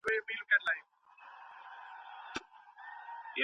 آیا د خوښې موضوع مطالعه کول لیوالتیا زیاتوي؟